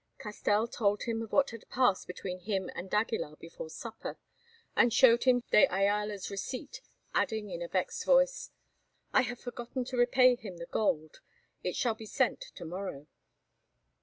Castell told him of what had passed between him and d'Aguilar before supper, and showed him de Ayala's receipt, adding in a vexed voice: "I have forgotten to repay him the gold; it shall be sent to morrow."